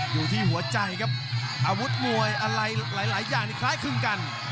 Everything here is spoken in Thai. อยู่ที่หัวใจครับอาวุธมวยอะไรหลายอย่างนี่คล้ายคลึงกัน